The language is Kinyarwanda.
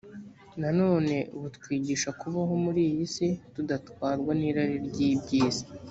nanone butwigisha kubaho muri iyi si tudatwarwa n’irari ry’iby’isi